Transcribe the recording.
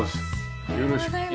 よろしくお願いします。